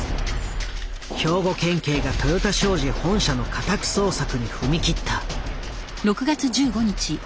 兵庫県警が豊田商事本社の家宅捜索に踏み切った。